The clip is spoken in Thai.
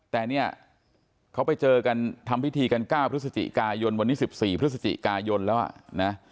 แต่เนี่ยเขาไปเจอกันทำพิธีกัน๙พฤศจิกายนวันนี้๑๔พฤศจิกายนแล้วนะ